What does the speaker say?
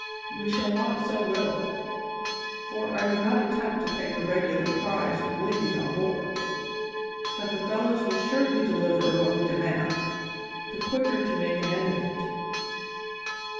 We shall want so little for I would not attempt to take a regular prize with ladies on board that the fellows will surely deliver what we demand, the quicker to make an end of it."